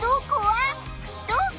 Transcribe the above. どこ？